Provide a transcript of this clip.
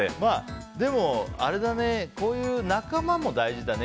でも、こういう仲間も大事だよね。